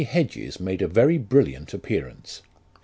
Hedges made a very brilliant appearance.